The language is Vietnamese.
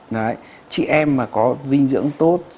đấy chị em mà có dinh dưỡng tốt